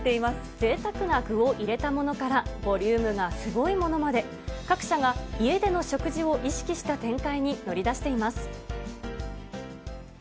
ぜいたくな具を入れたものからボリュームがすごいものまで、各社が家での食事を意識した展開に乗り出しています。